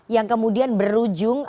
yang kemudian berujung